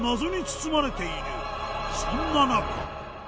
そんな中。